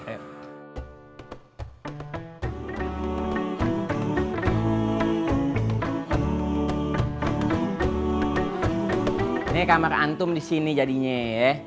ini kamar antum disini jadinya ya